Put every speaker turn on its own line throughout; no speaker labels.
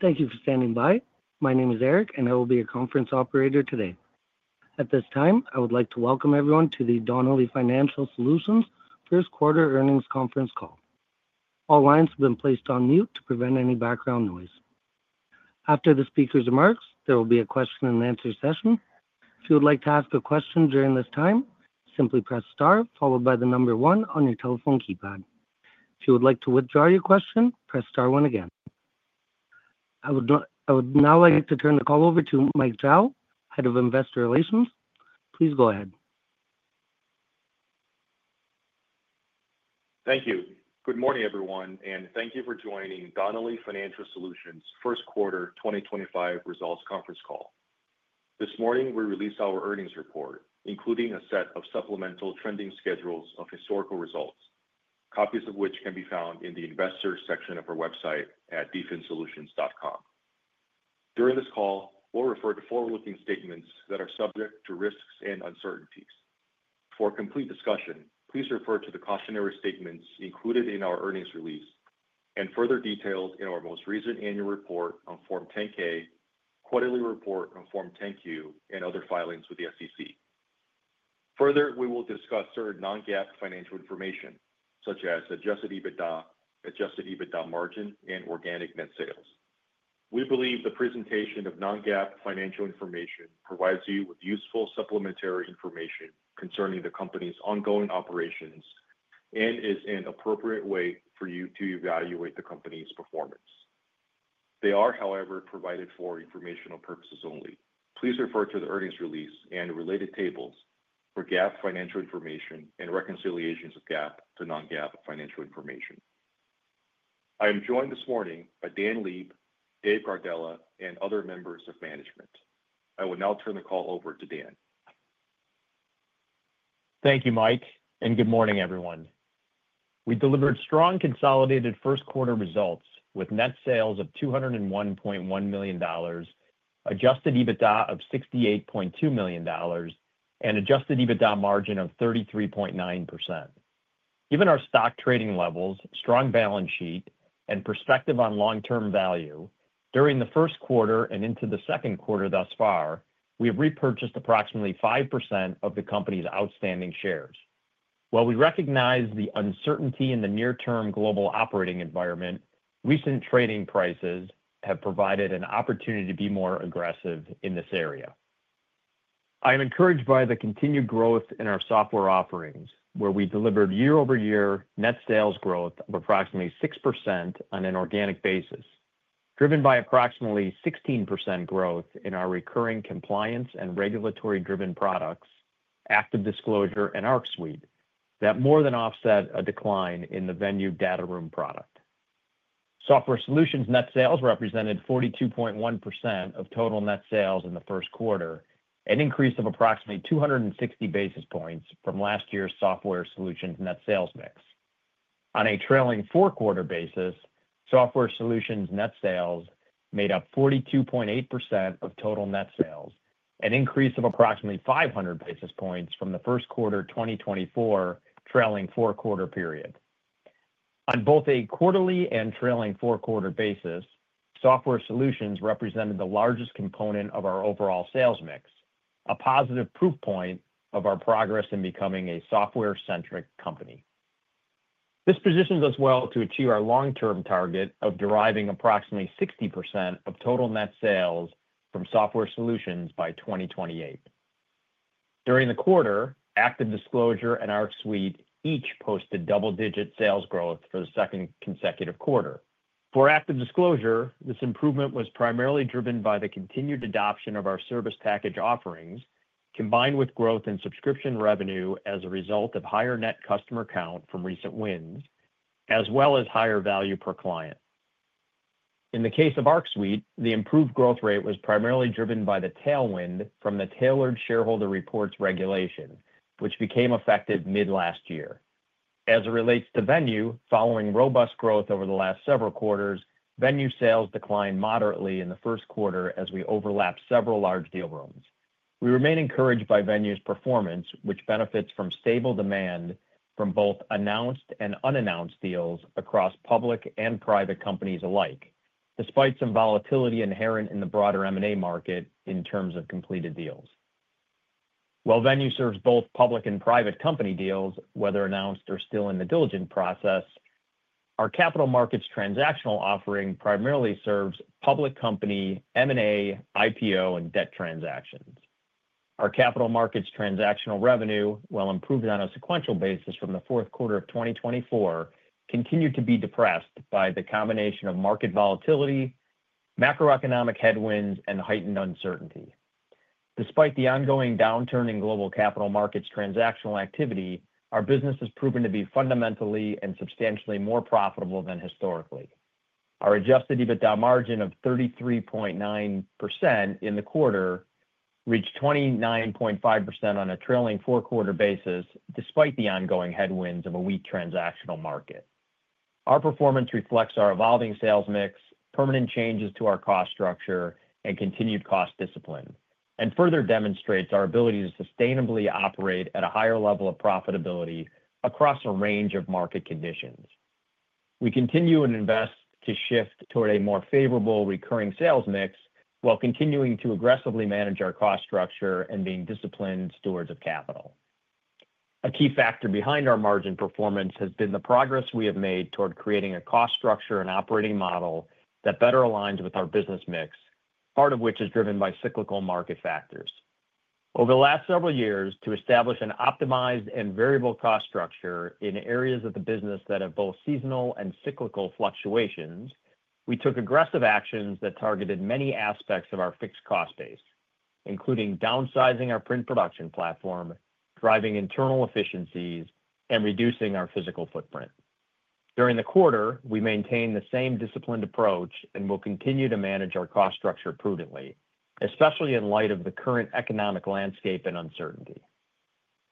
Thank you for standing by. My name is Eric and I will be your conference operator today. At this time I would like to welcome everyone to the Donnelley Financial Solutions first quarter earnings conference call. All lines have been placed on mute to prevent any background noise. After the speaker's remarks, there will be a question and answer session. If you would like to ask a question during this time, simply press star followed by the number one on your telephone keypad. If you would like to withdraw your question, press star one again. I would now like to turn the call over to Mike Zhao, Head of Investor Relations. Please go ahead.
Thank you. Good morning everyone and thank you for joining Donnelley Financial Solutions First Quarter 2025 Results Conference Call. This morning we released our earnings report, including a set of supplemental trending schedules of historical results, copies of which can be found in the Investors section of our website at dfinsolutions.com. During this call we'll refer to forward looking statements that are subject to risks and uncertainties. For complete discussion, please refer to the cautionary statements included in our earnings release and further details in our most recent Annual Report on Form 10-K, Quarterly Report on Form 10-Q and other filings with the SEC. Further, we will discuss certain non-GAAP financial information such as Adjusted EBITDA, Adjusted EBITDA Margin and Organic Net Sales. We believe the presentation of non-GAAP financial information provides you with useful supplementary information concerning the Company's ongoing operations and is an appropriate way for you to evaluate the Company's performance. They are, however, provided for informational purposes only. Please refer to the earnings release and related tables for GAAP financial information and reconciliations of GAAP to non-GAAP financial information. I am joined this morning by Dan Leib, Dave Gardella and other members of management. I will now turn the call over to Dan.
Thank you Mike and good morning everyone. We delivered strong consolidated first quarter results with net sales of $201.1 million and adjusted EBITDA of $68.2 million and adjusted EBITDA margin of 33.9%. Given our stock trading levels, strong balance sheet and perspective on long term value during the first quarter and into the second quarter. Thus far we have repurchased approximately 5% of the company's outstanding shares. While we recognize the uncertainty in the near term global operating environment, recent trading. Prices have provided an opportunity to be. More aggressive in this area. I am encouraged by the continued growth in our software offerings where we delivered year over year net sales growth of approximately 6% on an organic basis driven by approximately 16% growth in our recurring compliance and regulatory driven products, ActiveDisclosure and ArcSuite, that more than offset a decline in the Venue data room product. Software Solutions net sales represented 42.1% of total net sales in the first quarter, an increase of approximately 260 basis points from last year's Software Solutions net sales mix. On a trailing four quarter basis, Software Solutions net sales made up 42.8% of total net sales, an increase of approximately 500 basis points from the first quarter 2024. Trailing four quarter period on both a quarterly and trailing four quarter basis, software solutions represented the largest component of our overall sales mix, a positive proof point of our progress in becoming a software centric company. This positions us well to achieve our long term target of deriving approximately 60% of total net sales from software solutions by 2028. During the quarter, ActiveDisclosure and ArcSuite each posted double digit sales growth for the second consecutive quarter. For ActiveDisclosure, this improvement was primarily driven by the continued adoption of our service package offerings combined with growth in subscription revenue as a result of higher net customer count from recent wins as well as higher value per client. In the case of ARCSuite, the improved growth rate was primarily driven by the tailwind from the Tailored Shareholder Reports regulation which became effective mid last year. As it relates to Venue, following robust growth over the last several quarters, Venue sales declined moderately in the first quarter as we overlapped several large deal rooms. We remain encouraged by Venue's performance which benefits from stable demand from both announced and unannounced deals across public and private companies alike despite some volatility inherent in the broader M&A market in terms of completed deals. While Venue serves both public and private company deals, whether announced or still in the diligent process, our capital markets transactional offering primarily serves public company M&A, IPO and debt transactions. Our capital markets transactional revenue, while improved on a sequential basis from the fourth quarter of 2024, continued to be depressed by the combination of market volatility and macroeconomic headwinds and heightened uncertainty. Despite the ongoing downturn in global capital markets transactional activity, our business has proven to be fundamentally and substantially more profitable than historically. Our adjusted EBITDA margin of 33.9% in the quarter reached 29.5% on a trailing four quarter basis. Despite the ongoing headwinds of a weak transactional market, our performance reflects our evolving sales mix, permanent changes to our cost structure and continued cost discipline, and further demonstrates our ability to sustainably operate at a higher level of profitability across a range of market conditions. We continue and invest to shift toward a more favorable recurring sales mix while continuing to aggressively manage our cost structure and being disciplined stewards of capital. A key factor behind our margin performance has been the progress we have made toward creating a cost structure and operating model that better aligns with our business mix, part of which is driven by cyclical market factors. Over the last several years, to establish an optimized and variable cost structure in areas of the business that have both seasonal and cyclical fluctuations, we took aggressive actions that targeted many aspects of our fixed cost base, including downsizing our print production platform, driving internal efficiencies, and reducing our physical footprint. During the quarter, we maintained the same disciplined approach and will continue to manage our cost structure prudently, especially in light of the current economic landscape and uncertainty.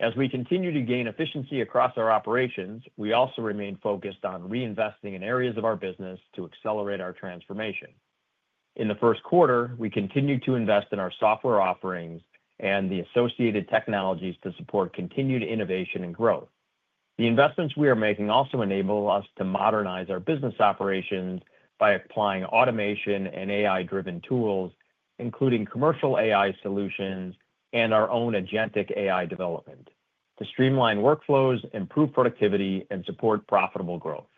As we continue to gain efficiency across our operations, we also remain focused on reinvesting in areas of our business to accelerate our transformation. In the first quarter, we continued to invest in our software offerings and the associated technologies to support continued innovation and growth. The investments we are making also enable us to modernize our business operations by applying automation and AI driven tools, including commercial AI solutions and our own agentic AI development to streamline workflows, improve productivity and support profitable growth.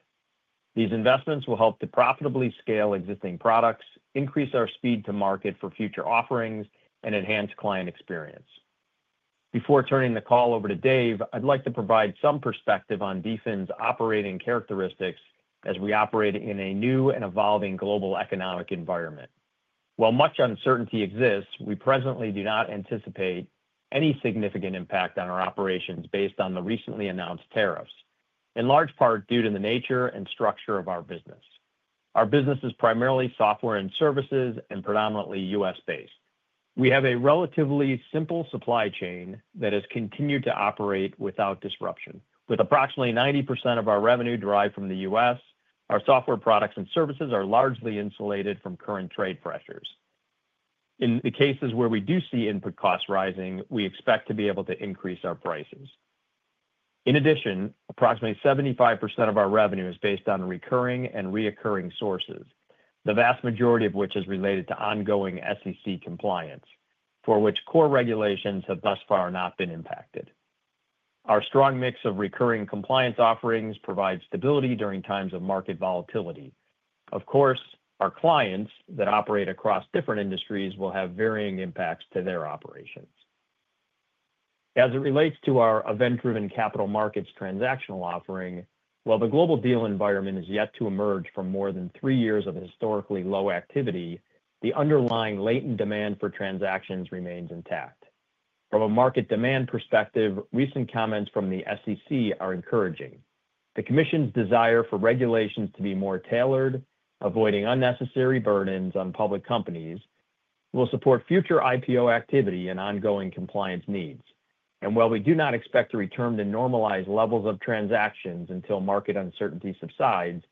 These investments will help to profitably scale existing products, increase our speed to market for future offerings, and enhance client experience. Before turning the call over to Dave, I'd like to provide some perspective on DFIN's operating characteristics as we operate in a new and evolving global economic environment. While much uncertainty exists, we presently do not anticipate any significant impact on our operations based on the recently announced tariffs, in large part due to the nature and structure of our business. Our business is primarily software and services and predominantly U.S. based. We have a relatively simple supply chain that has continued to operate without disruption. With approximately 90% of our revenue derived from the U.S., our software products and services are largely insulated from current trade pressures. In the cases where we do see. Input costs rising, we expect to be able to increase our prices. In addition, approximately 75% of our revenue is based on recurring and reoccurring sources, the vast majority of which is related to ongoing SEC compliance for which core regulations have thus far not been impacted. Our strong mix of recurring compliance offerings provide stability during times of market volatility. Of course, our clients that operate across different industries will have varying impacts to their operations as it relates to our event driven capital markets transactional offering. While the global deal environment is yet to emerge from more than three years of historically low activity, the underlying latent demand for transactions remains intact from a market demand perspective. Recent comments from the SEC are encouraging the Commission's desire for regulations to be more tailored, avoiding unnecessary burdens on public companies, and will support future IPO activity and ongoing compliance needs. While we do not expect to return to normalized levels of transactions until market uncertainty subsides,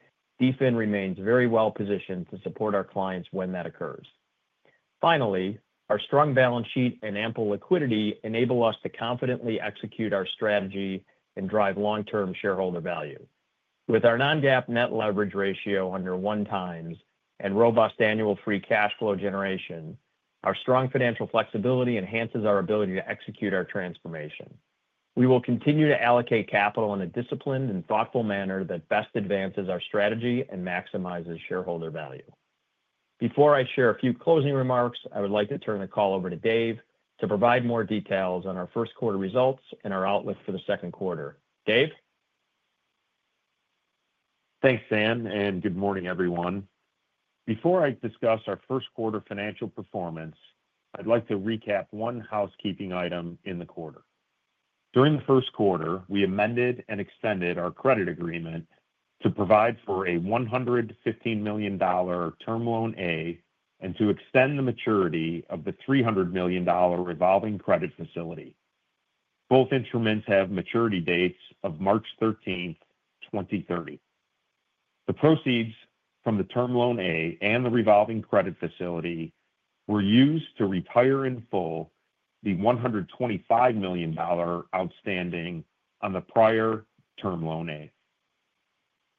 DFIN remains very well positioned to support our clients when that occurs. Finally, our strong balance sheet and ample liquidity enable us to confidently execute our strategy and drive long term shareholder value. With our non-GAAP net leverage ratio under one times and robust annual free cash flow generation, our strong financial flexibility enhances our ability to execute our transformation. We will continue to allocate capital in a disciplined and thoughtful manner that best advances our strategy and maximizes shareholder value. Before I share a few closing remarks, I would like to turn the call over to Dave to provide more details on our first quarter results and our outlook for the second quarter. Dave.
Thanks Dan and good morning everyone. Before I discuss our first quarter financial performance, I'd like to recap one housekeeping item in the quarter. During the first quarter we amended and extended our credit agreement to provide for a $115 million Term Loan A and to extend the maturity of the $300 million revolving credit facility. Both instruments have maturity dates of March 13, 2030. The proceeds from the Term Loan A and the revolving credit facility were used to retire in full the $125 million outstanding on the prior Term Loan A.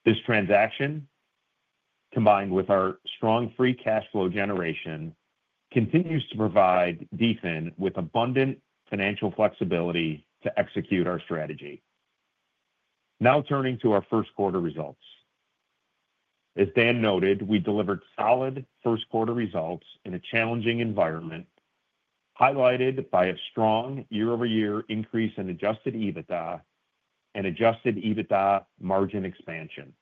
This transaction, combined with our strong free cash flow generation, continues to provide DFIN with abundant financial flexibility to execute our strategy. Now turning to our first quarter results. As Dan noted, we delivered solid first quarter results in a challenging environment, highlighted by a strong year-over-year increase in adjusted EBITDA and adjusted EBITDA margin expansion.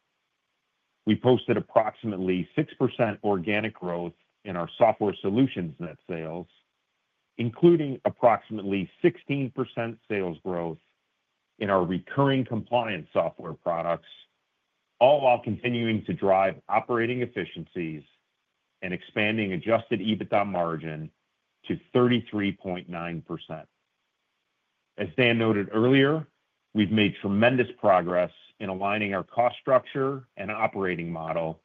We posted approximately 6% organic growth in our software solutions net sales, including approximately 16% sales growth in our recurring compliance software products, all while continuing to drive operating efficiencies and expanding adjusted EBITDA margin to 33.9%. As Dan noted earlier, we've made tremendous progress in aligning our cost structure and operating model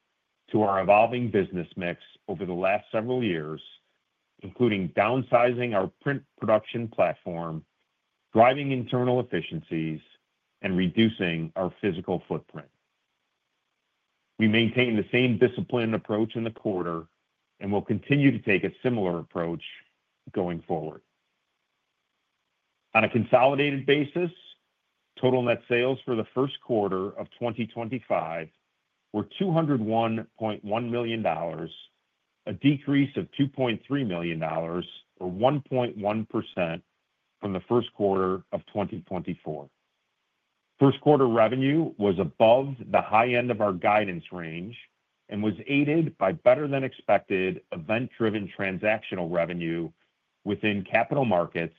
to our evolving business mix over the last several years, including downsizing our print production platform, driving internal efficiencies and reducing our physical footprint. We maintain the same disciplined approach in the quarter and will continue to take a similar approach going forward. On a consolidated basis, total net sales for the first quarter of 2025 were $201.1 million, a decrease of $2.3 million or 1.1% from the first quarter of 2024. First quarter revenue was above the high end of our guidance range and was aided by better than expected event driven transactional revenue within capital markets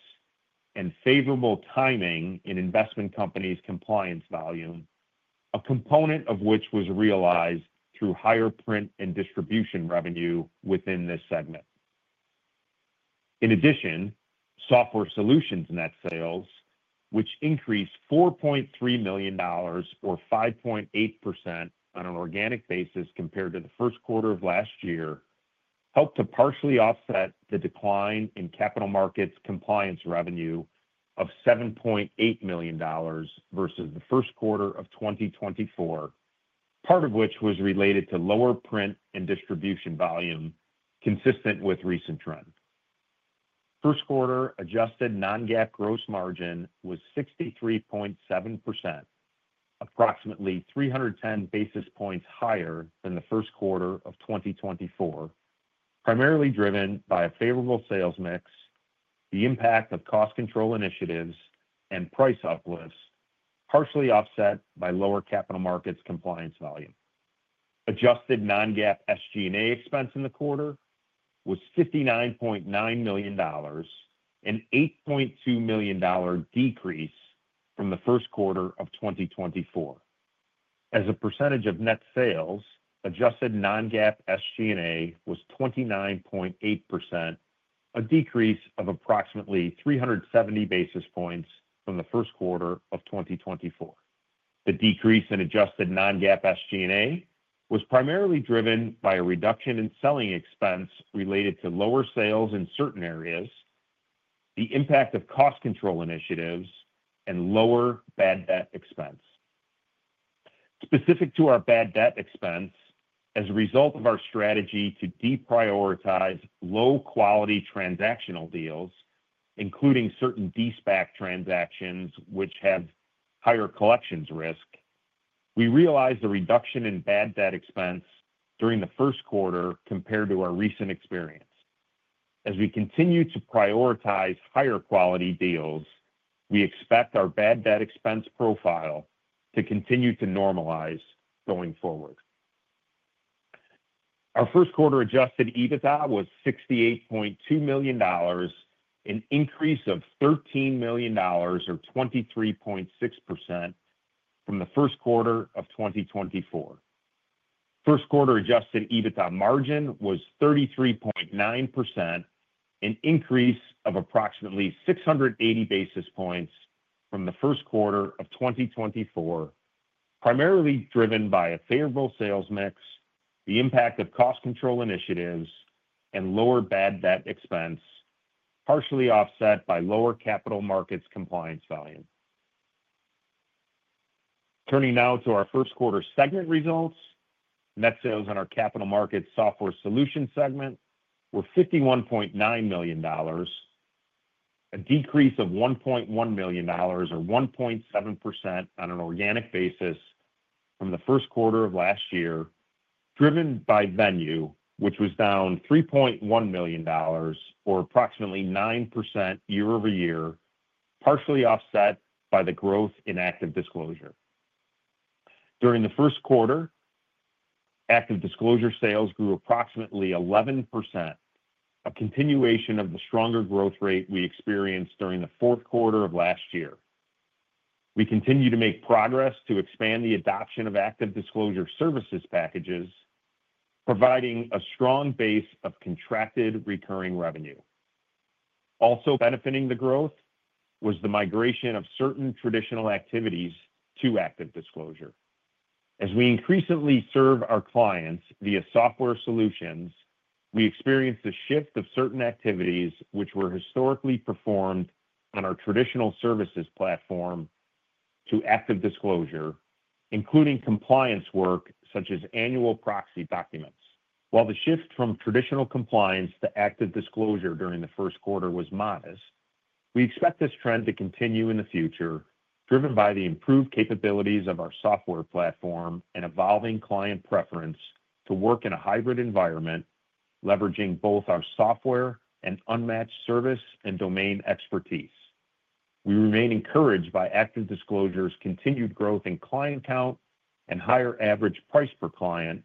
and favorable timing in investment companies compliance volume, a component of which was realized through higher print and distribution revenue within this segment. In addition, Software Solutions net sales, which increased $4.3 million or 5.8% on an organic basis compared to the first quarter of last year, helped to partially offset the decline in capital markets compliance revenue of $7.8 million versus the first quarter of 2024, part of which was related to lower print and distribution volume. Consistent with recent trend, first quarter adjusted non-GAAP gross margin was 63.7%, approximately 310 basis points higher than in the first quarter of 2024, primarily driven by a favorable sales mix, the impact of cost control initiatives and price uplifts partially offset by lower capital markets compliance volume. Adjusted non-GAAP SG&A expense in the quarter was $59.9 million, an $8.2 million decrease from the first quarter of 2024. As a percentage of net sales, adjusted non-GAAP SG&A was 29.8%, a decrease of approximately 370 basis points from the first quarter of 2024. The decrease in adjusted non-GAAP SG&A was primarily driven by a reduction in selling expense related to lower sales in certain areas, the impact of cost control initiatives and lower bad debt expense. Specific to our bad debt expense as. A result of our strategy to deprioritize. Low quality transactional deals including certain de-SPAC transactions which have higher collections risk, we realized a reduction in bad debt expense during the first quarter compared to our recent experience. As we continue to prioritize higher quality deals, we expect our bad debt expense profile to continue to normalize going forward. Our first quarter adjusted EBITDA was $68.2 million, an increase of $13 million or 23.6% from the first quarter of 2024. First quarter adjusted EBITDA margin was 33.9%, an increase of approximately 680 basis points from the first quarter of 2024, primarily driven by a favorable sales mix, the impact of cost control initiatives and lower bad debt expense partially offset by lower capital markets compliance volume. Turning now to our first quarter segment results, net sales on our Capital Market Software solutions segment were $51.9 million, a decrease of $1.1 million or 1.7% on an organic basis from the first quarter of last year driven by Venue which was down $3.1 million, or approximately 9% year over year, partially offset by the growth in ActiveDisclosure. During the first quarter, ActiveDisclosure sales grew approximately 11%, a continuation of the stronger growth rate we experienced during the fourth quarter of last year. We continue to make progress to expand the adoption of ActiveDisclosure services packages, providing a strong base of contracted recurring revenue. Also benefiting the growth was the migration of certain traditional activities to ActiveDisclosure. As we increasingly serve our clients via software solutions, we experienced a shift of certain activities which were historically performed on our traditional services platform to ActiveDisclosure, including compliance work such as annual proxy documents. While the shift from traditional compliance to ActiveDisclosure during the first quarter was modest, we expect this trend to continue in the future, driven by the improved capabilities of our software platform and evolving client preference to work in a hybrid environment, leveraging both our software and unmatched service and domain expertise. We remain encouraged by ActiveDisclosure's continued growth in client count, and higher average price per client,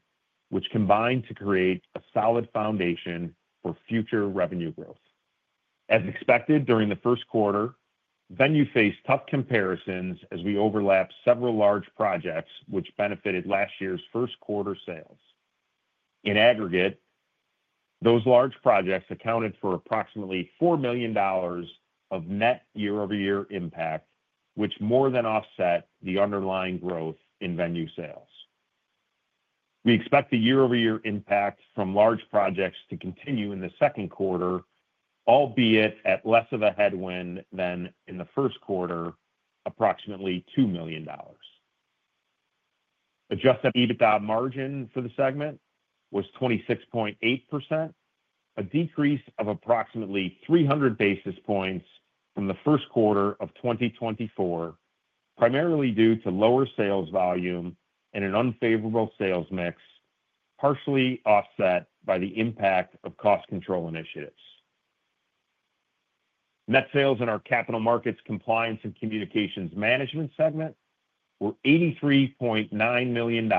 which combined to create a solid foundation for future revenue growth. As expected during the first quarter, Venue faced tough comparisons as we overlapped several large projects which benefited last year's first quarter sales. In aggregate, those large projects accounted for approximately $4 million of net year over year impact, which more than offset the underlying growth in Venue sales. We expect the year-over-year impact. From large projects to continue in the second quarter, albeit at less of a headwind than in the first quarter. Approximately $2 million adjusted EBITDA margin for the segment was 26.8%, a decrease of approximately 300 basis points from the first quarter of 2024, primarily due to lower sales volume and an unfavorable sales mix, partially offset by the impact of cost control initiatives. Net sales in our capital markets compliance and communications management segment were $83.9 million,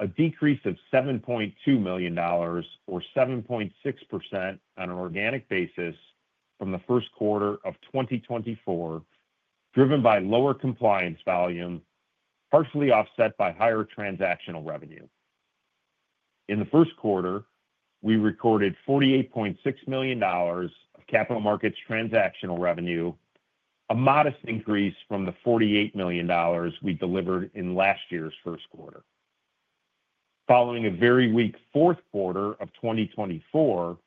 a decrease of $7.2 million, or 7.6% on an organic basis from the first quarter of 2024, driven by lower compliance volume partially offset by higher transactional revenue. In the first quarter, we recorded $48.6 million of capital markets transactional revenue, a modest increase from the $48 million we delivered in last year's first quarter. Following a very weak fourth quarter of 2024,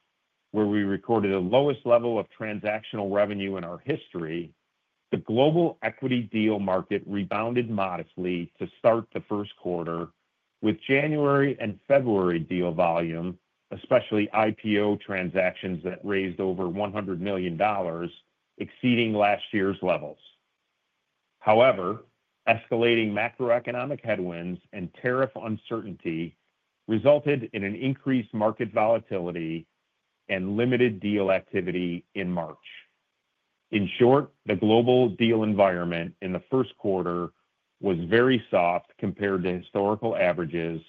where we recorded the lowest level of transactional revenue in our history, the global equity deal market rebounded modestly to start the first quarter with January and February deal volume, especially IPO transactions that raised over $100 million, exceeding last year's levels. However, escalating macroeconomic headwinds and tariff uncertainty resulted in increased market volatility and limited deal activity in March. In short, the global deal environment in the first quarter was very soft compared to historical averages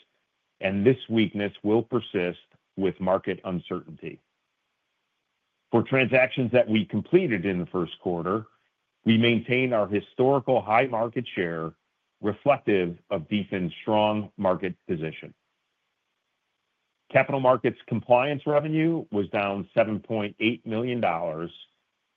and this weakness will persist with market uncertainty. For transactions that we completed in the first quarter, we maintain our historical high market share reflective of DFIN's strong market position. Capital markets compliance revenue was down $7.8 million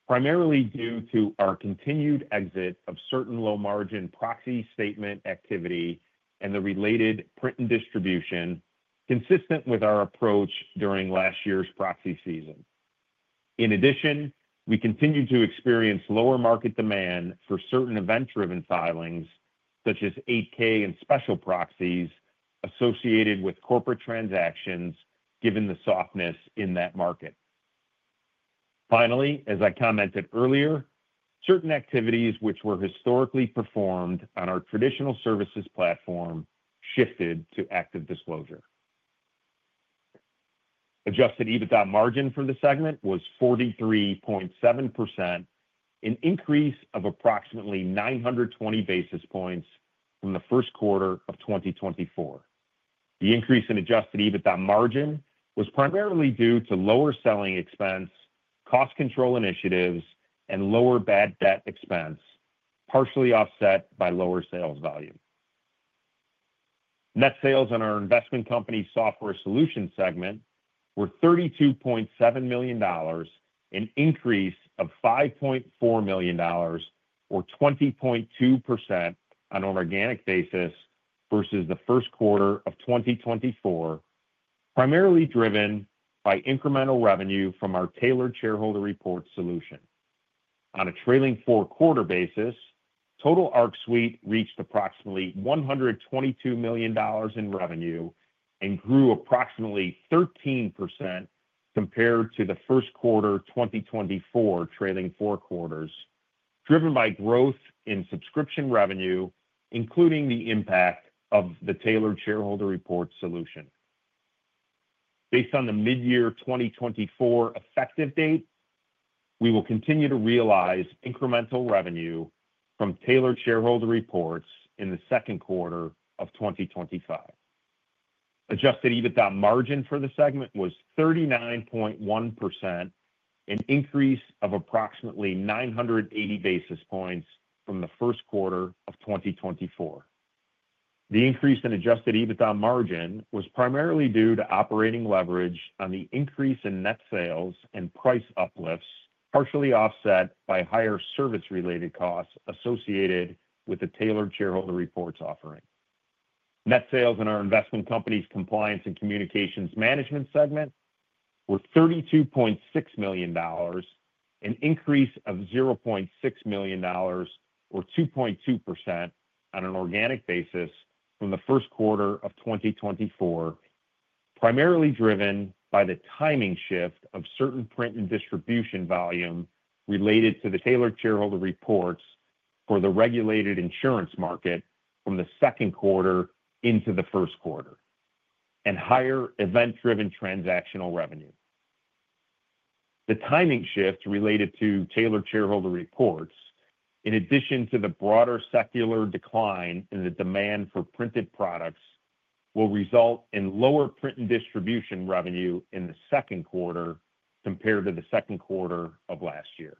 primarily due to our continued exit of certain low margin proxy statement activity and the related print and distribution consistent with our approach during last year's proxy season. In addition, we continue to experience lower market demand for certain event driven filings such as 8K and special proxies associated with corporate transactions given the softness in that market. Finally, as I commented earlier, certain activities which were historically performed on our traditional services platform shifted to ActiveDisclosure. Adjusted EBITDA margin for the segment was 43.7%, an increase of approximately 920 basis points from the first quarter of 2024. The increase in adjusted EBITDA margin was primarily due to lower selling expense, cost control initiatives and lower bad debt expense partially offset by lower sales volume. Net sales on our Investment company Software solutions segment were $32.7 million, an increase of $5.4 million or 20.2% on an organic basis versus the first quarter of 2024, primarily driven by incremental revenue from our Tailored Shareholder Report solution on a trailing four quarter basis. Total ARCSuite reached approximately $122 million in revenue and grew approximately 13% compared to the first quarter 2024 trailing four quarters, driven by growth in subscription revenue including the impact of the Tailored Shareholder Report solution based on the mid year 2024 effective date. We will continue to realize incremental revenue from Tailored Shareholder Reports in the second quarter of 2025. Adjusted EBITDA margin for the segment was 39.1%, an increase of approximately 980 basis points from the first quarter of 2024. The increase in adjusted EBITDA margin was. Primarily due to operating leverage on the. Increase in net sales and price uplifts partially offset by higher service related costs associated with the Tailored Shareholder Reports offering. Net sales in our Investment Companies Compliance and Communications management segment were $32.6 million, an increase of $0.6 million or 2.2% on an organic basis from the first quarter of 2024, primarily driven by the timing shift of certain print and distribution volume related to the Tailored Shareholder Reports for the regulated insurance market from the second quarter into the first quarter and higher event driven transactional revenue. The timing shift related to Tailored Shareholder Reports in addition to the broader secular decline in the demand for printed products will result in lower print and distribution revenue in the second quarter compared to the second quarter of last year.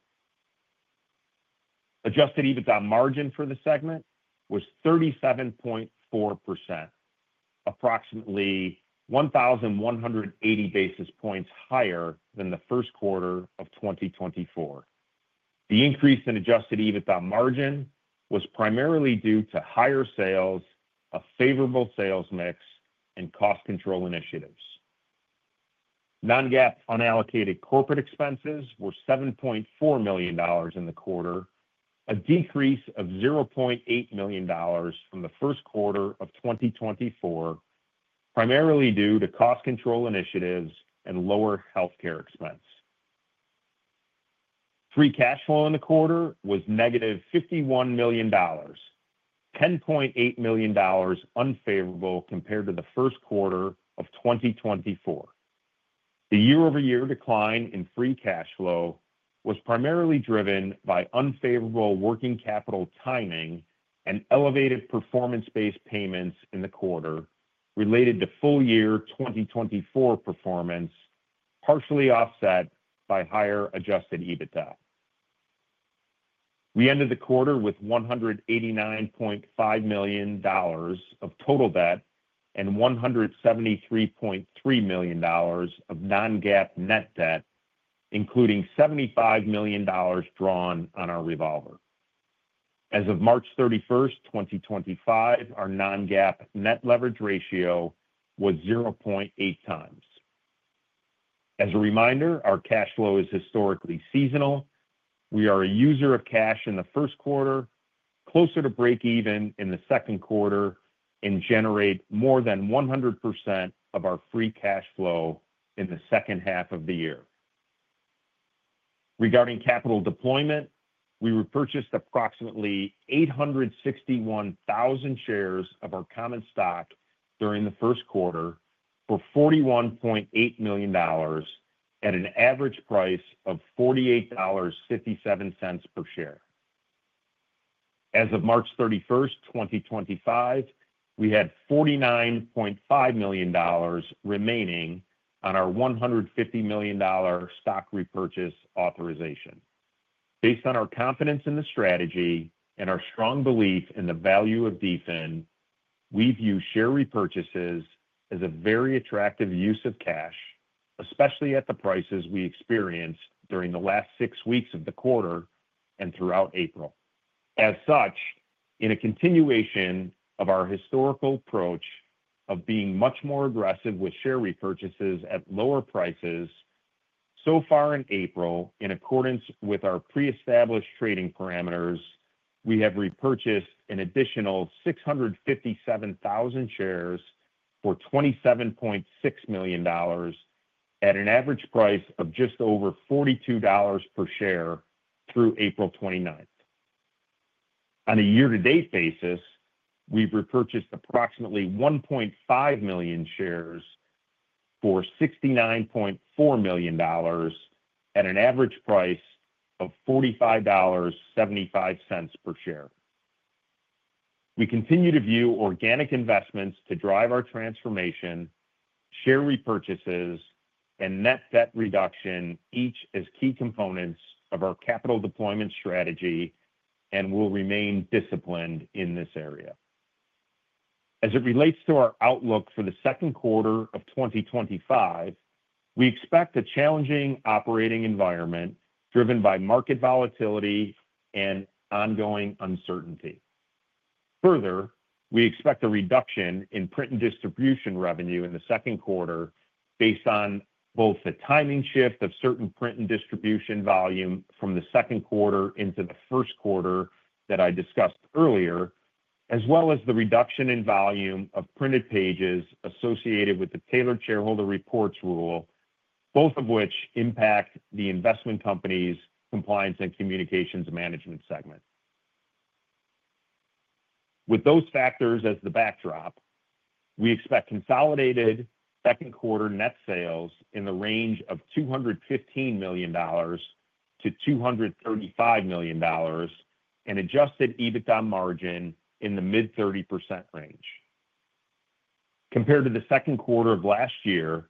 Adjusted EBITDA margin for the segment was 37.4%, approximately 1,180 basis points higher than the first quarter of 2024. The increase in adjusted EBITDA margin was primarily due to higher sales, a favorable sales mix and cost control initiatives. Non-GAAP unallocated corporate expenses were $7.4 million in the quarter, a decrease of $0.8 million from the first quarter of 2024, primarily due to cost control initiatives and lower health care expense. Free cash flow in the quarter was negative $51 million, $10.8 million unfavorable compared to the first quarter of 2024. The year-over-year decline in free cash flow was primarily driven by unfavorable working capital timing and elevated performance-based payments in the quarter related to full year 2024 performance, partially offset by higher adjusted EBITDA. We ended the quarter with $189.5 million of total debt and $173.3 million of non-GAAP net debt, including $75 million. Drawn on our revolver. As of March 31, 2025, our non-GAAP net leverage ratio was 0.8 times. As a reminder, our cash flow is historically seasonal. We are a user of cash in the first quarter, closer to break even in the second quarter and generate more than 100% of our free cash flow in the second half of the year. Regarding capital deployment, we repurchased approximately 861,000 shares of our common stock during the first quarter for $41.8 million at an average price of $48.57 per share. As of March 31, 2025, we had $49.5 million remaining on our $150 million stock repurchase authorization. Based on our confidence in the strategy and our strong belief in the value of DFIN, we view share repurchases as a very attractive use of cash, especially at the prices we experienced during the last six weeks of the quarter and throughout April. As such, in a continuation of our historical approach of being much more aggressive with share repurchases at lower prices. So far in April, in accordance with our pre-established trading parameters, we have repurchased an additional 657,000 shares for $27.6 million at an average price of just over $42 per share through April 29. On a year-to-date basis, we've repurchased approximately 1.5 million shares for $69.4 million at an average price of $45.75 per share. We continue to view organic investments to drive our transformation, share repurchases and net debt reduction each as key components of our capital deployment strategy and will remain. Disciplined in this area. As it relates to our outlook for the second quarter of 2025, we expect a challenging operating environment driven by market volatility and ongoing uncertainty. Further, we expect a reduction in print and distribution revenue in the second quarter based on both the timing shift of certain print and distribution volume from the second quarter into the first quarter that I discussed earlier, as well as the reduction in volume of printed pages associated with the Tailored Shareholder Reports rule, both of which impact the investment company's compliance and communications management segment. With those factors as the backdrop, we expect consolidated second quarter net sales in the range of $215 million-$235 million and adjusted EBITDA margin in the mid 30% range compared to the second quarter of last year.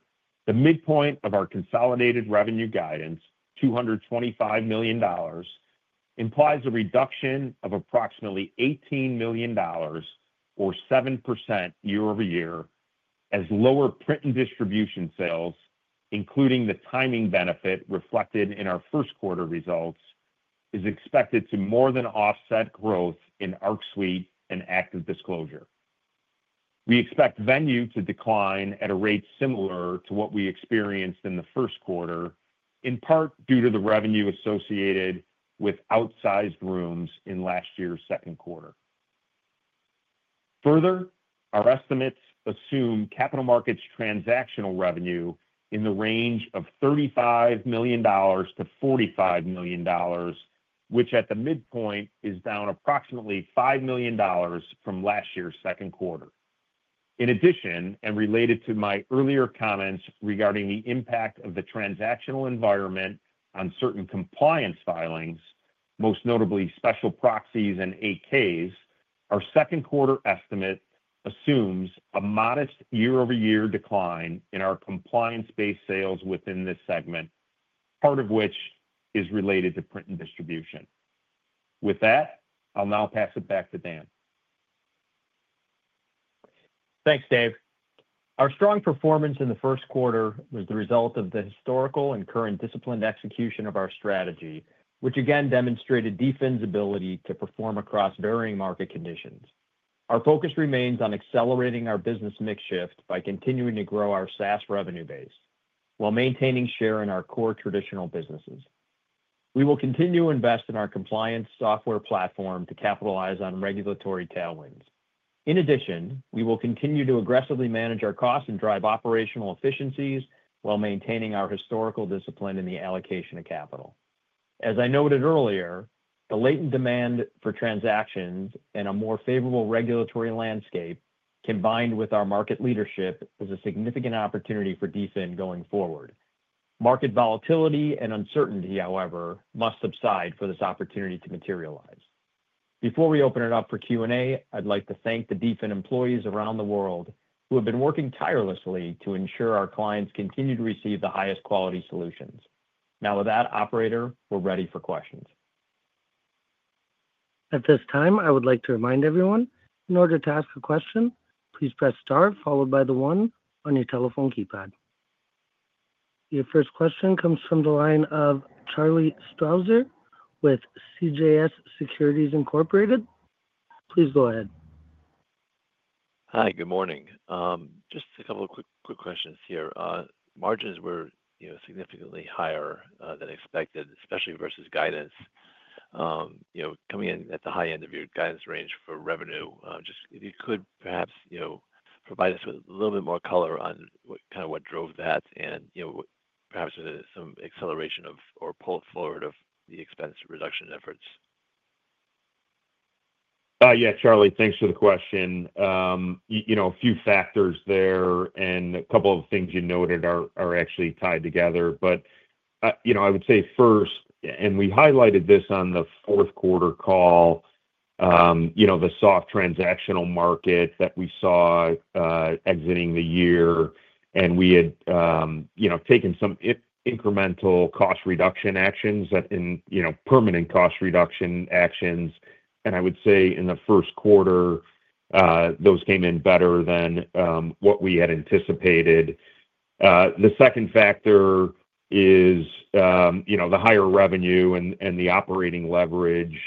The midpoint of our consolidated revenue guidance, $225 million, implies a reduction of approximately $18 million or 7% year-over-year. As lower print and distribution sales, including the timing benefit reflected in our first quarter results, is expected to more than offset growth in ARCSuite and ActiveDisclosure. We expect Venue to decline at a rate similar to what we experienced in the first quarter, in part due to. The revenue associated with outsized rooms in. Last year's second quarter. Further, our estimates assume capital markets transactional revenue in the range of $35 million-$45 million, which at the midpoint is down approximately $5 million from last year's second quarter. In addition, and related to my earlier comments regarding the impact of the transactional environment on certain compliance filings, most notably special proxies and 8Ks. Our second quarter estimate assumes a modest. Year-over-year decline in our compliance. Based sales within this segment, part of which is related to print and distribution. With that, I'll now pass it back to Dan.
Thanks Dave. Our strong performance in the first quarter was the result of the historical and current disciplined execution of our strategy, which again demonstrated DFIN's ability to perform across varying market conditions. Our focus remains on accelerating our business mix shift by continuing to grow our SaaS revenue base while maintaining share in our core traditional businesses. We will continue to invest in our compliance software platform to capitalize on regulatory tailwinds. In addition, we will continue to aggressively manage our costs and drive operational efficiencies while maintaining our historical discipline in the allocation of capital. As I noted earlier, the latent demand for transactions and a more favorable regulatory landscape combined with our market leadership is a significant opportunity for DFIN going forward. Market volatility and uncertainty, however, must subside for this opportunity to materialize. Before we open it up for Q and A, I'd like to thank the DFIN employees around the world who have been working tirelessly to ensure our clients continue to receive the highest quality solutions. Now with that, operator, we're ready for questions.
At this time, I would like to remind everyone, in order to ask a question, please press star followed by the one on your telephone keypad. Your first question comes from the line of Charlie Strauzer with CJS Securities Incorporated. Please go ahead.
Hi, good morning. Just a couple of quick questions here. Margins were, you know, significantly higher than expected, especially versus guidance, you know, coming in at the high end of your. Guidance range for revenue. Just if you could perhaps, you know, provide us with a little bit more color on what kind of what drove that and, you know, perhaps some acceleration of or pull forward of the expense reduction efforts.
Yeah, Charlie, thanks for the question. You know, a few factors there and a couple of things you noted are actually tied together. You know, I would say first, and we highlighted this on the fourth quarter call, you know, the soft transactional market that we saw exiting the year and we had, you know, taken some incremental cost reduction actions that in, you know, permanent cost reduction actions. I would say in the first quarter those came in better than what we had anticipated. The second factor is, you know, the higher revenue and the operating leverage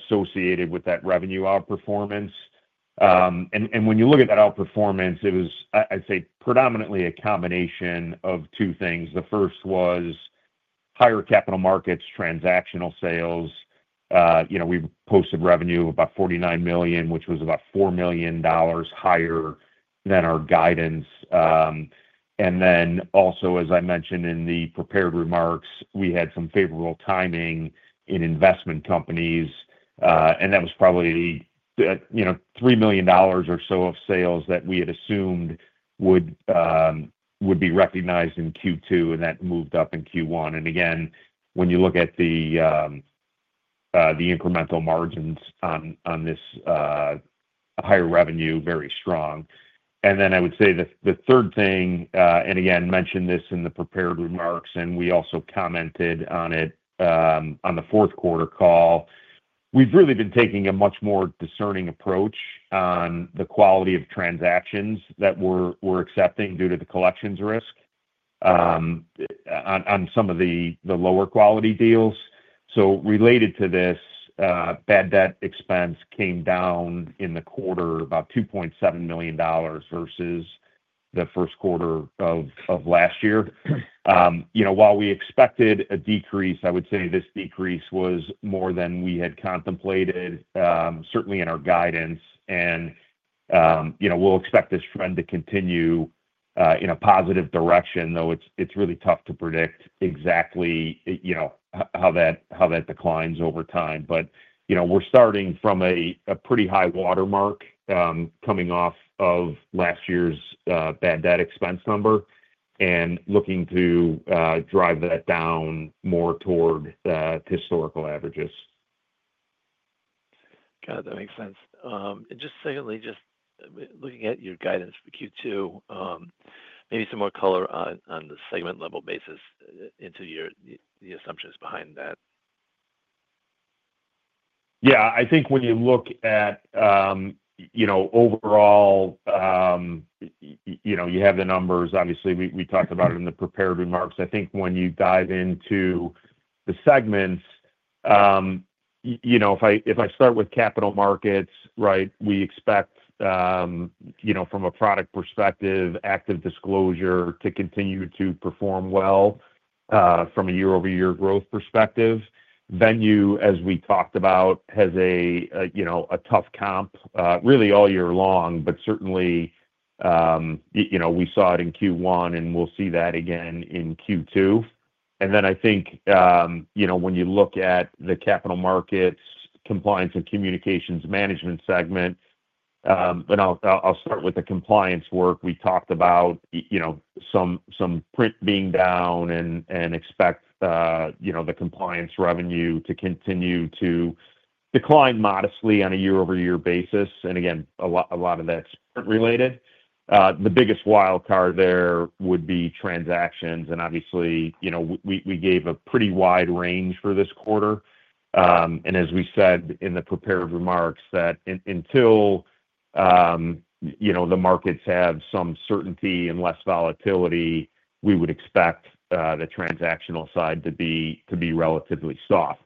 associated with that revenue outperformance. When you look at that outperformance, it was, I'd say predominantly a combination of two things. The first was higher capital markets, transactional sales. You know, we posted revenue about $49 million, which was about $4 million higher than our guidance. Also, as I mentioned in the prepared remarks, we had some favorable timing in investment companies and that was probably, you know, $3 million or so of sales that we had assumed would be recognized in Q2 and that moved up in Q1. Again, when you look at the incremental margins on this higher revenue, very strong. I would say the third thing, and again mentioned this in the prepared remarks and we also commented on it on the fourth quarter call. We've really been taking a much more. Discerning approach on the quality of transactions that we're accepting due to the collections. Risk. On some of the lower quality deals. Related to this bad debt expense. Came down in the quarter about $2.7 million versus the first quarter of last year. You know, while we expected a decrease, I would say this decrease was more than we had contemplated certainly in our guidance, and you know, we'll expect this. Trend to continue in a positive direction though. It's really tough to predict exactly. You know, how that declines. Over time, but you know, we're starting. From a pretty high watermark coming off of last year's bad debt expense number and looking to drive that down more toward historical averages.
Got it. That makes sense. Just secondly, just looking at your guidance for Q2, maybe some more color on the segment level basis into your, the assumptions behind that.
Yeah, I think when you look at, you know, overall, you know, you have the numbers obviously we talked about it in the prepared remarks I think when you dive into the segments. You know, if I start with capital markets, right. We expect, you know, from a product perspective, ActiveDisclosure to continue to perform well from a year-over-year growth perspective, Venue, as we talked about, has a, you know, a tough comp really all year long. Certainly, you know, we saw it in Q1 and we'll see that again in Q2. I think, you know, when you look at the capital markets compliance and communications management segment and I'll start with the compliance work we talked about. You know, some print being down and expect, you know, the compliance revenue to continue to decline modestly on a year-over-year basis lot, a lot of that's related, the biggest wild card there would be transactions and obviously, you know, we gave a pretty wide range for this quarter and as we said in the prepared remarks that until. You know, the markets have some certainty and less volatility, we would expect the transactional side to be relatively soft.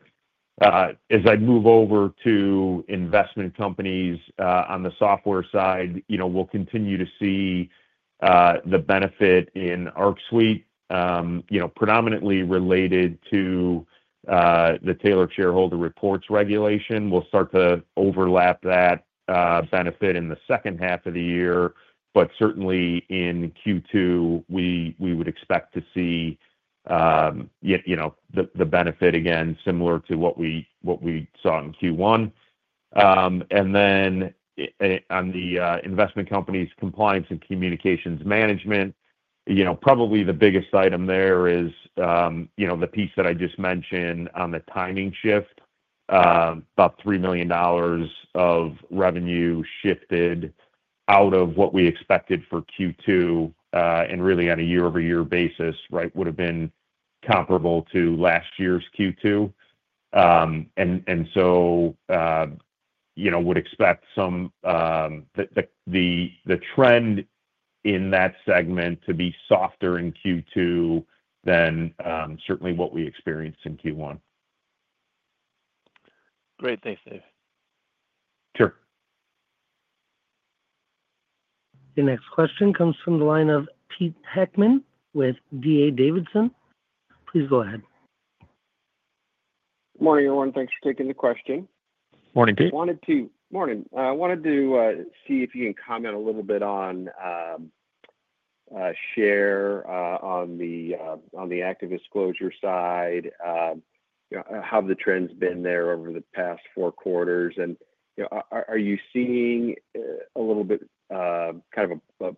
As I move over to investment companies on the software side, you know, we'll continue to see the benefit in ARCSuite, you know, predominantly related to the Tailored Shareholder Reports regulation. We'll start to overlap that benefit in the second half of the year. Certainly in Q2 we would expect to see, you know, the benefit again similar to what we saw in Q1 and then on the. Investment companies compliance and communications management, you know, probably the biggest item there is, you know, the piece that I just mentioned on the timing shift, about $3 million of revenue shifted out of what we expected for Q2 and really on a year-over-year basis. Right. Would have been comparable to last year's Q2 and so you know, would expect some the trend in that segment to be softer in Q2 than certainly what we experienced in Q1.
Great. Thanks Dave. Sure.
The next question comes from the line of Pete Heckman with D.A. Davidson. Please go ahead.
Morning everyone. Thanks for taking the question.
Morning Pete,
wanted to. Morning. I wanted to see if you can comment a little bit on share on the ActiveDisclosure side, how have the trends been there over the past four quarters and are you seeing a little bit, kind of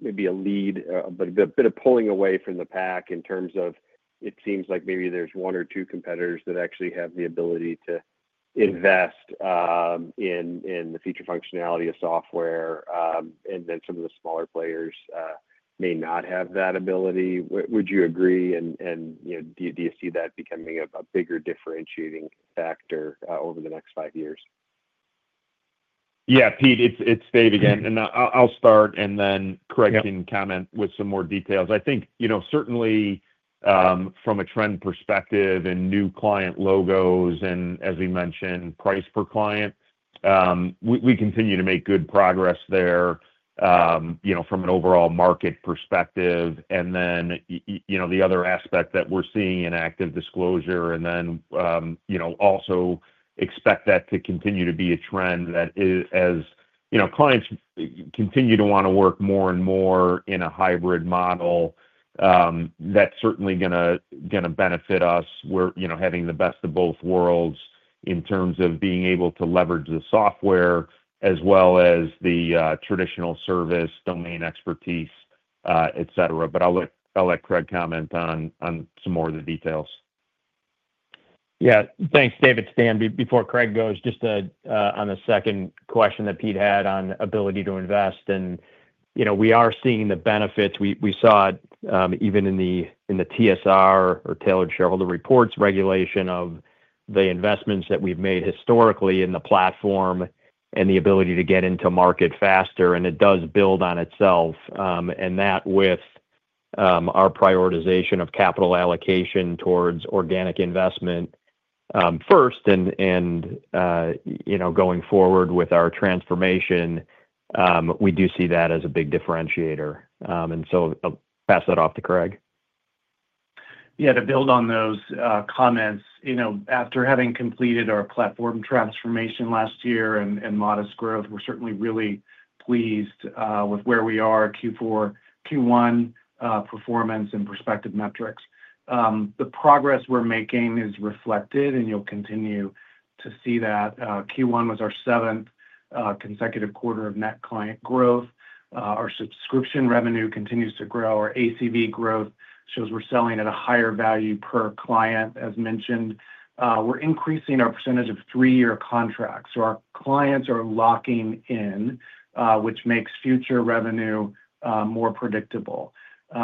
maybe a lead. A bit of pulling away from the pack in terms of it seems like maybe there's one or two competitors that actually have the ability to invest in the feature functionality of software and then some of the smaller players may not have that ability. Would you agree? Do you see that becoming a bigger differentiating factor over the next five years?
Yeah. Pete, it's Dave again and I'll start. Then correct and comment with some more details. I think certainly from a trend perspective and new client logos and as we mentioned price per client, we continue to make good progress there. You know, from an overall market perspective and then you know the other aspect. That we're seeing in ActiveDisclosure and you know also expect that to continue to be a trend as you know, clients continue to want to work more and more in a hybrid model that's certainly going to benefit us. We're, you know, having the best of both worlds in terms of being able to leverage the software as well the traditional service domain expertise, etc. I'll let Craig comment on some more of the details.
Yeah, thanks David. Dan, before Craig goes just on the second question that Pete had on ability to invest and we are seeing the benefits. We saw it even in the TSR or Tailored Shareholder Reports, regulation of the investments that we've made historically in the platform and the ability to get into market faster and it does build on itself and that with our prioritization of capital allocation towards organic investment first and you know going forward with our transformation. We do see that as a big differentiator and so pass that off to Craig. Yeah, to build on those comments. You know, after having completed our platform transformation last year and modest growth, we're certainly really pleased with where we are Q4 Q1 performance and perspective metrics. The progress we're making is reflected and you'll continue to see that Q1 was our seventh consecutive quarter of net client growth. Our subscription revenue continues to grow, our ACV growth shows we're selling at a higher value per client. As mentioned, we're increasing our percentage of three year contracts. Our clients are locking in which makes future revenue more predictable. We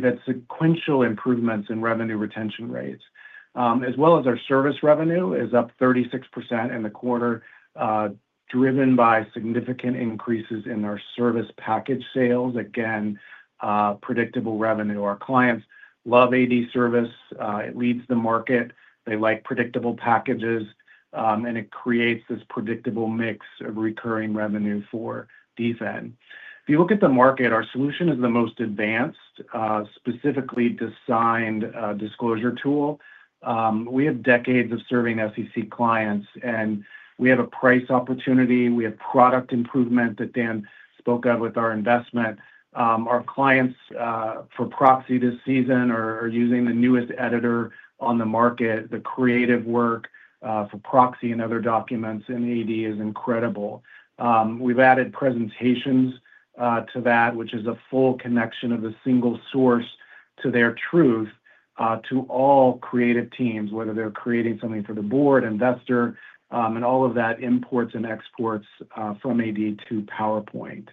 have had sequential improvements in revenue retention rates as well as our service revenue is up 36% in the quarter driven by significant increases in our service package sales. Again, predictable revenue. Our clients love AD service. It leads the market. They like predictable packages and it creates this predictable mix of recurring revenue for DFIN. If you look at the market, our solution is the most advanced specifically designed disclosure tool. We have decades of serving SEC clients and we have a price opportunity. We have product improvement that Dan spoke of with our investment. Our clients for proxy this season are using the newest editor on the market. The creative work for proxy and other documents in AD is incredible. We've added presentations to that which is a full connection of the single source to their truth, to all creative teams, whether they're creating something for the board, investor, and all of that imports and exports from AD to PowerPoint.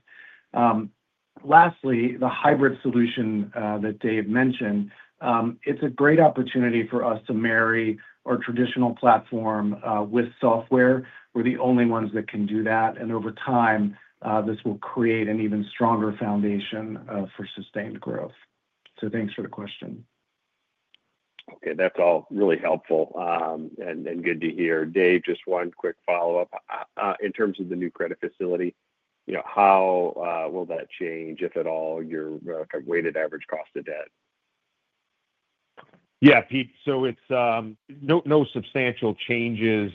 Lastly, the hybrid solution that Dave mentioned. It's a great opportunity for us to marry our traditional platform with software. We're the only ones that can do that. Over time this will create an even stronger foundation for sustained growth. Thanks for the question. Okay, that's all really helpful and good to hear. Dave, just one quick follow up. In terms of the new credit facility, you know, how will that change if at all your weighted average cost of debt?
Yeah Pete, so it's no substantial changes.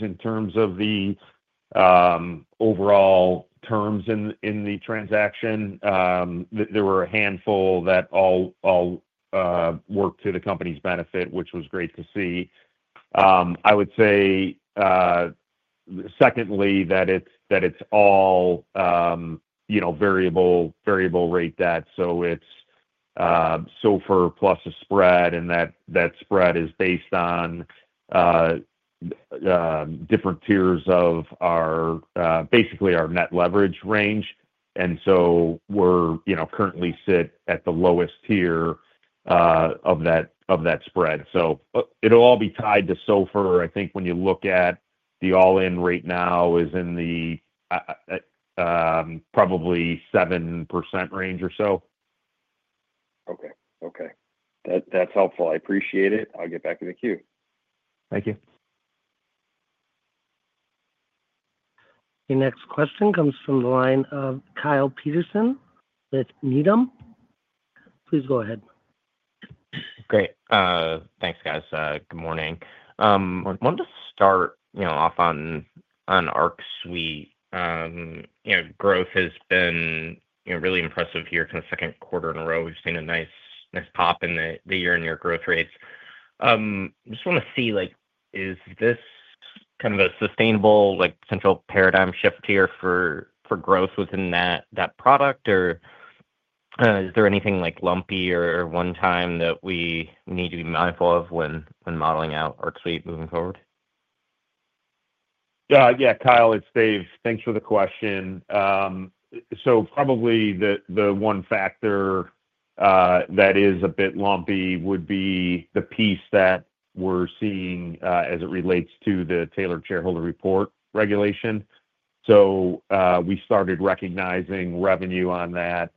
In terms of the overall terms in the transaction, there were a handful that all work to the company's benefit, which was great to see. I would say secondly that it's, that it's all, you know, variable rate debt. So it's SOFR plus a spread and that spread is based on different tiers of our basically our net leverage range. We currently sit at the lowest tier of that spread. It'll all be tied to SOFR I think when you look at the all in right now is in the probably 7% range or so.
Okay, okay, that's helpful. I appreciate it. I'll get back in the queue. Thank you.
The next question comes from the line of Kyle Peterson with Needham, please go ahead.
Great, thanks guys. Good morning. Wanted to start, you know, off on ARCSuite. You know, growth has been really impressive here for the second quarter in a row. We've seen a nice pop in the year on year growth rates just want to see, like is this kind of a sustainable, like central paradigm shift here for, for growth within that, that product or is there anything like lumpy or one time that we need to be mindful of when, when modeling out ARCSuite moving forward?
Yeah, Kyle, it's Dave. Thanks for the question probably the one factor that is a bit lumpy would be the piece that we're seeing as it relates to the Tailored Shareholder Reports regulation. We started recognizing revenue on that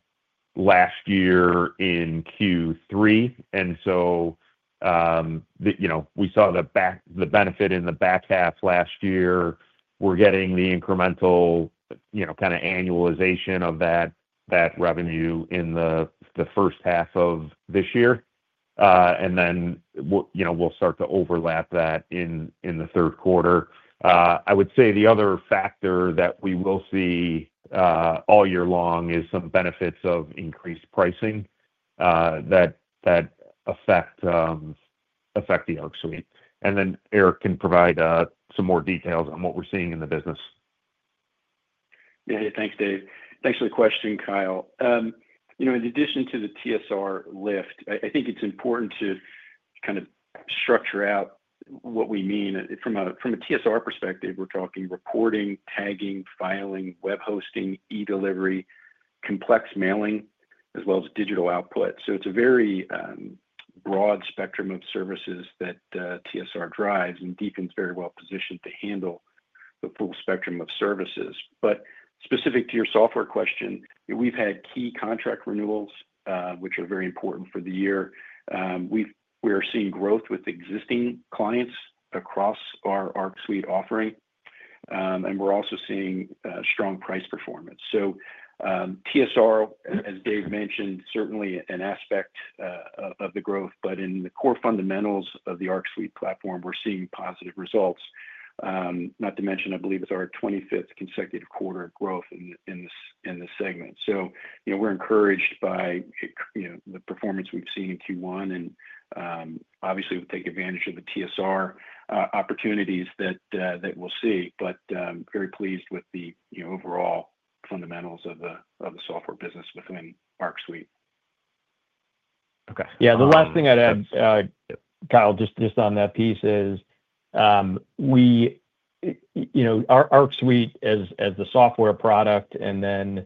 last year in Q3. You know, we saw the benefit in the back half last year. We're getting the incremental, you know, kind of annualization of that, that revenue in the first half of this year and then, you know, we'll start to overlap that in the third quarter. I would say the other factor that we will see all year long is some benefits of increased pricing, that affect the ARCSuite. Eric can provide some more details on what we're seeing in the business.
Thanks, Dave. Thanks for the question, Kyle. You know, in addition to the TSR lift, I think it's important to kind of structure out what we mean from a TSR perspective. We're talking reporting, tagging, filing, web hosting, E delivery, complex mailing, as well as digital output. It is a very broad spectrum of services that TSR drives and DFIN is very well positioned to handle the full spectrum of services. Specific to your software question, we've had key contract renewals which are very important for the year. We are seeing growth with existing clients across our ARCSuite offering and we're also seeing strong price performance. TSR, as Dave mentioned, certainly an aspect of the growth, but in the core fundamentals of the ARCSuite platform, we're seeing positive results. Not to mention, I believe it's our 25th consecutive quarter growth in this segment. You know, we're encouraged by, you know, the performance we've seen in Q1 and obviously we'll take advantage of the TSR opportunities that we'll see, but very pleased with the overall fundamentals of the software business within ARCSuite. Okay.
Yeah. The last thing I'd add, Kyle, just on that piece is we, you know, ARCSuite as the software product and then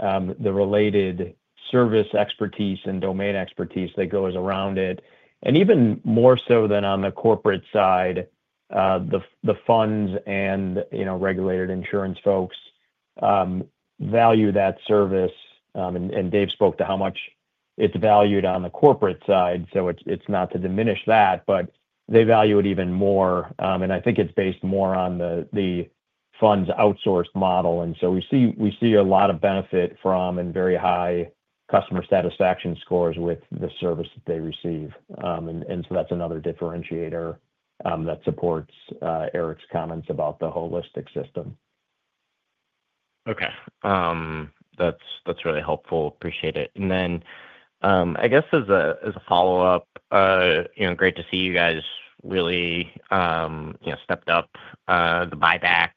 the related service expertise and domain expertise that goes around it. Even more so than on the corporate side, the funds and, you know, regulated insurance folks value that service and Dave spoke to how much it's valued on the corporate side. It's not to diminish that, but they value it even more and I think it's based more on the funds outsourced model. We see a lot of benefit from and very high customer satisfaction. Scores with the service that they receive. That is another differentiator that supports Eric's comments about the holistic system.
Okay, that's really helpful. Appreciate it. I guess as a follow up, great to see you guys really stepped up the buyback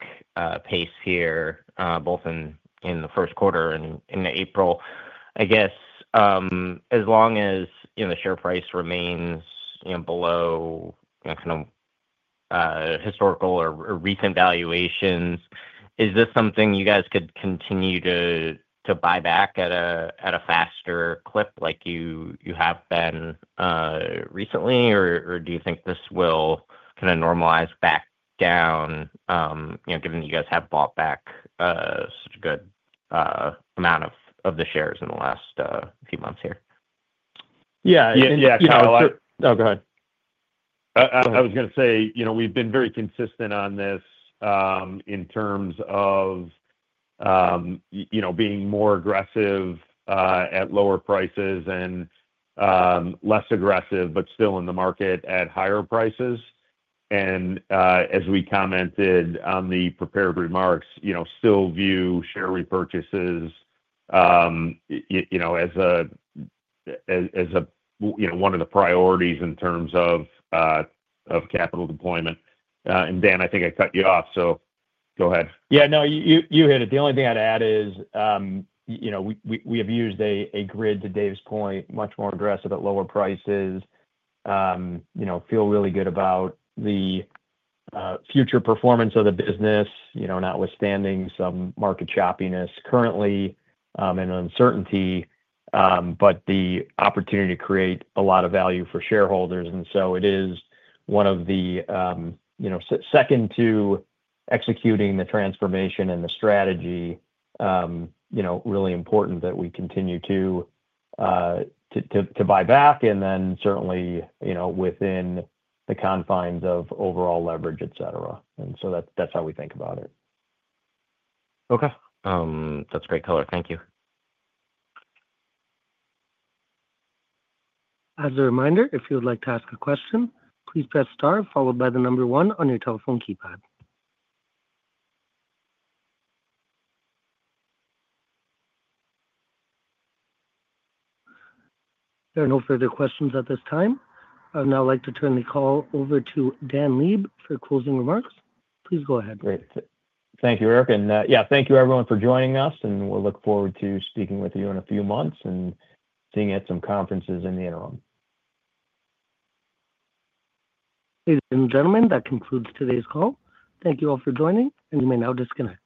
pace here both in the first quarter and in April. I guess as long as the share price remains below historical or recent valuations, is this something you guys could continue to buy back at a faster clip like you have been recently, or do you think this will kind of normalize back down, you know, given you guys have bought back such a good amount of the shares in the last few months here?
Yeah, yeah. Oh, God. I was going to say, you know, we've been very consistent on this in terms of, you know, being more aggressive at lower prices and less aggressive, but still in the market at higher prices. As we commented on the prepared remarks, you know, still view share repurchases, you know, as a, as a, you know, one of the priorities in terms of capital deployment. Dan, I think I cut you off, so go ahead.
Yeah, no, you hit it. The only thing I'd add is, you know, we have used a grid to Dave's point, much more aggressive at lower prices. You know, feel really good about the future performance of the business, you know, notwithstanding some market choppiness currently and uncertainty, but the opportunity to create a lot of value for shareholders. It is one of the, you know, second to executing the transformation and the strategy, you know, really important that we continue to buy back and then certainly, you know, within the confines of overall leverage, et cetera. That is how we think about it.
Okay, that's great color. Thank you.
As a reminder, if you would like to ask a question, please press star followed by the number one on your telephone keypad. There are no further questions at this time. I would now like to turn the call over to Dan Lieb for closing remarks. Please go ahead.
Great. Thank you, Eric. Thank you everyone for joining us and we'll look forward to speaking with you in a few months and seeing you at some conferences in the interim.
Ladies and gentlemen, that concludes today's call. Thank you all for joining and you may now disconnect.